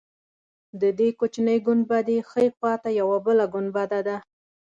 د دې کوچنۍ ګنبدې ښی خوا ته یوه بله ګنبده ده.